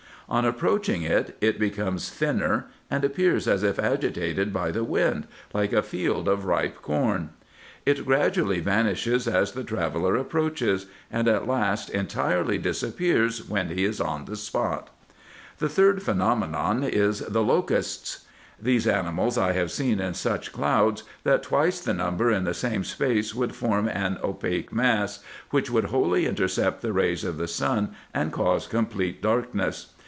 On approaching it, it becomes thinner, and appears as if agitated by the wind, like a field of ripe corn. It gradually vanishes as the traveller approaches, and at last entirely disappears when he is on the spot. IN EGYPT, NUBIA, &c. 197 The third phenomenon is the locusts. These animals I have seen in such clouds, that twice the number in the same space would form an opaque mass, which would wholly intercept the rays of the sun, and cause complete darkness.